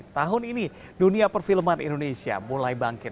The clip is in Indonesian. tahun ini dunia perfilman indonesia mulai bangkit